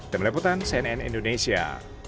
demi leputan cnn indonesia